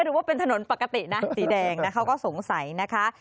หรือว่าเป็นถนนปกตินะสีแดงนะเขาก็สงสัยนะคะ